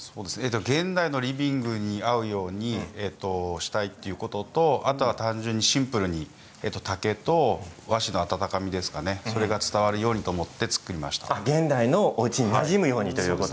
現代のリビングに合うようにしたということとあとは単純にシンプルに竹と和紙の温かみが伝わるようにと思って作りました。